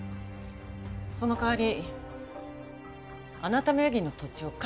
その代わりあなた名義の土地を返して。